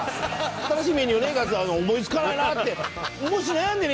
新しいメニューねえか？って思い付かないなってもし悩んでる